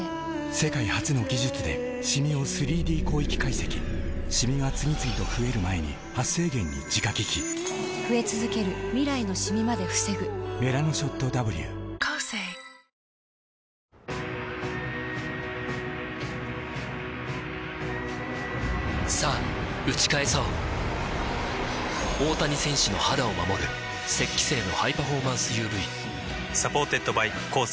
世界初の技術でシミを ３Ｄ 広域解析シミが次々と増える前に「メラノショット Ｗ」さぁ打ち返そう大谷選手の肌を守る「雪肌精」のハイパフォーマンス ＵＶサポーテッドバイコーセー